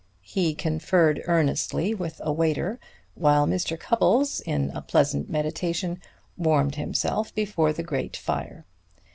He conferred earnestly with a waiter, while Mr. Cupples, in a pleasant meditation, warmed himself before the great fire.